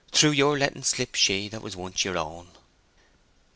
—through your letting slip she that was once yer own!"